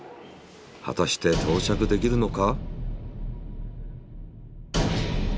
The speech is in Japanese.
果たして到着できるのか？